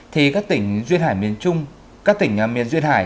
thì các tỉnh duyên hải miền trung các tỉnh miền duyên hải